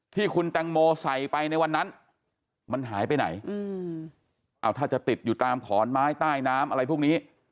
ที่คุณแตงโมใส่ไปในวันนั้นมันหายไปไหนถ้าจะติดอยู่ตามขอนไม้ใต้น้ำอะไรพวกนี้